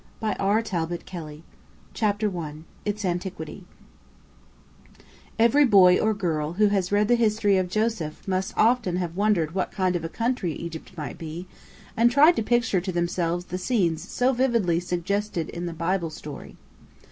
]EGYPT CHAPTER 1 ITS ANTIQUITY Every boy or girl who has read the history of Joseph must often have wondered what kind of a country Egypt might be, and tried to picture to themselves the scenes so vividly suggested in the Bible story.